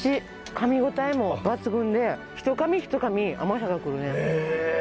かみ応えも抜群で一かみ一かみ甘さがくるね。ね。